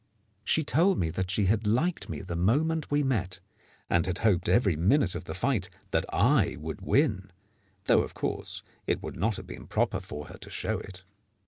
She told me that she had liked me the moment we met, and had hoped every minute of the fight that I would win, though, of course, it would not have been proper for her to show it.